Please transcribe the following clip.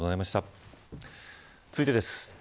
続いてです。